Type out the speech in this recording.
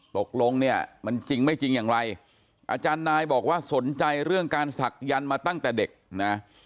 ตกลงเนี่ยมันจริงไม่จริงอย่างไรอาจารย์นายบอกว่าสนใจเรื่องการศักยันต์มาตั้งแต่เด็กนะ